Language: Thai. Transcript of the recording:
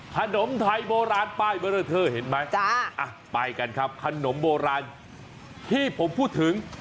ขนมไทยโบราณป้ายเบอร์เลอร์เทอร์เห็นไหมไปกันครับขนมโบราณที่ผมพูดถึง